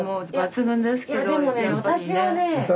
いやでもね私はね。